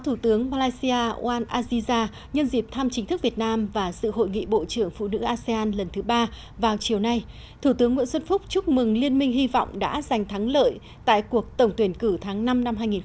thủ tướng nguyễn xuân phúc chúc mừng liên minh hy vọng đã giành thắng lợi tại cuộc tổng tuyển cử tháng năm năm hai nghìn một mươi tám